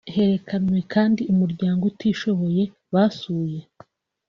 Herekanwe kandi umuryango utishoboye basuye